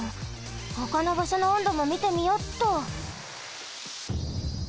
ほかのばしょの温度もみてみよっと。